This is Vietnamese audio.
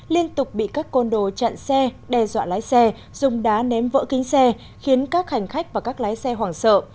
liên tục bị các côn đồ chặn xe đe dọa lái xe dùng đá ném vỡ kính xe khiến các hành khách và các lái xe hoảng sợ